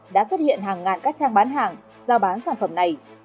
đã xuất hiện hàng ngàn các trang bán hàng giao bán sản phẩm này